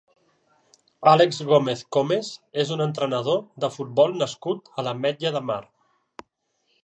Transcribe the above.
Àlex Gómez Comes és un entrenador de futbol nascut a l'Ametlla de Mar.